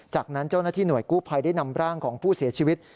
จากนั้นเจ้าหน้าที่หน่วยกู้ภัยได้นำร่างของผู้เสียชีวิต